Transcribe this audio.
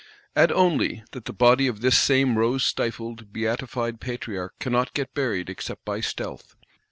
Add only, that the body of this same rose stifled, beatified Patriarch cannot get buried except by stealth.